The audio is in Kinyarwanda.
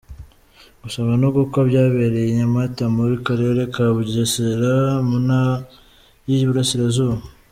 Gusaba no gukwa byabereye i Nyamata mu karere ka Bugesera mu Nta y’Iburasirazuba.